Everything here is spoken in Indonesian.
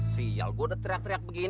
sial gue udah teriak teriak begini